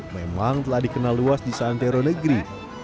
memang telah dikenal luas di santero negeri